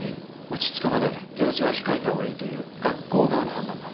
落ち着くまで行事は控えた方がいいという学校側の判断だ。